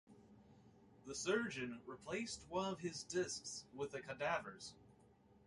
The surgeon replaced one of his discs with a cadaver's.